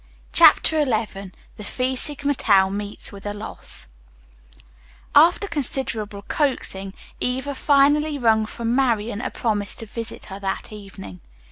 CHAPTER XV THE PHI SIGMA TAUS MEET WITH A LOSS After considerable coaxing, Eva finally wrung from Marian a promise to visit her that evening.